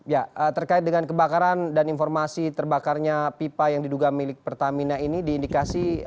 ya terkait dengan kebakaran dan informasi terbakarnya pipa yang diduga milik pertamina ini diindikasi